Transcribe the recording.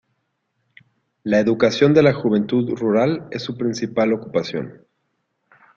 La educación de la juventud rural es su principal ocupación.